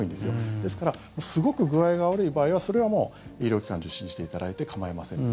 ですからすごく具合が悪い場合はそれはもう医療機関を受診していただいて構いませんので。